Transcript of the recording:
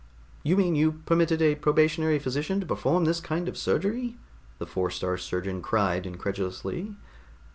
"You mean you permitted a probationary physician to perform this kind of surgery?" The Four star Surgeon cried incredulously.